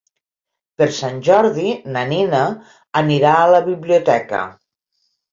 Per Sant Jordi na Nina anirà a la biblioteca.